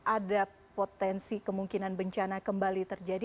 ada potensi kemungkinan bencana kembali terjadi